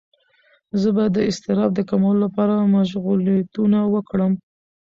زه به د اضطراب د کمولو لپاره مشغولیتونه وکړم.